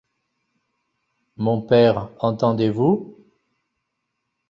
Mon père, entendez-vous?